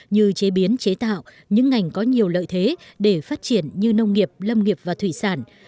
như chế biến chế tạo những ngành có nhiều lợi thế để phát triển như nông nghiệp lâm nghiệp và thủy sản